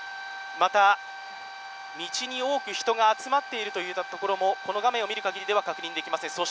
また、道に多く人が集まっているところもこの画面を見るかぎりでは確認できません。